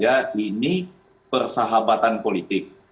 saya pikir bahwa ini persahabatan politik